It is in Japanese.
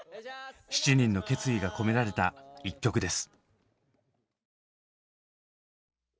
７人の決意が込められた１曲です。